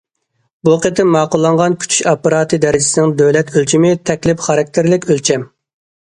بۇ قېتىم ماقۇللانغان كۈتۈش ئاپپاراتى دەرىجىسىنىڭ دۆلەت ئۆلچىمى تەكلىپ خاراكتېرلىك ئۆلچەم.